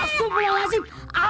kasum luar masjid